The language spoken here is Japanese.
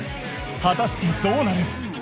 果たしてどうなる？